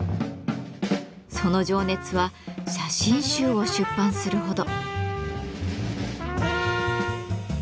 その情熱は写真集を出版するほど。